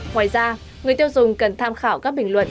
ngoài ra người tiêu dùng cần tham khảo các bình luận